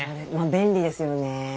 便利ですよね。